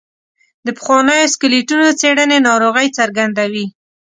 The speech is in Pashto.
د پخوانیو سکلیټونو څېړنې ناروغۍ څرګندوي.